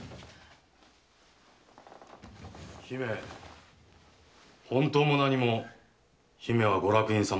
姫本当も何も姫はご落胤様でござる。